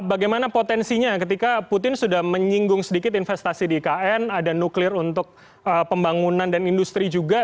bagaimana presiden jokowi itu menjalankan amanatnya